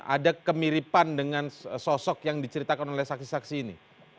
ada kemiripan dengan sosok yang diceritakan oleh saksi saksi ini